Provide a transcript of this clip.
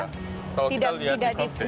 kalau kita lihat di club face